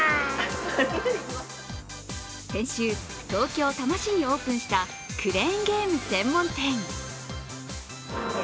先週、東京・多摩市にオープンしたクレーンゲーム専門店。